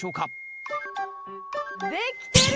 できてる。